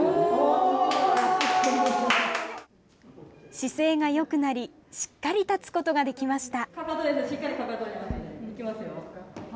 姿勢がよくなり、しっかり立つことができました。